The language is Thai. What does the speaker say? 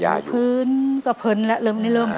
อเรนนี่คือเหตุการณ์เริ่มต้นหลอนช่วงแรกแล้วมีอะไรอีก